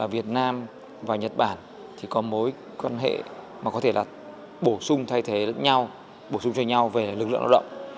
việt nam và nhật bản thì có mối quan hệ mà có thể là bổ sung thay thế lẫn nhau bổ sung cho nhau về lực lượng lao động